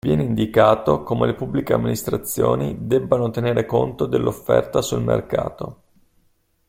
Viene indicato come le Pubbliche Amministrazioni debbano tenere conto dell'offerta sul mercato.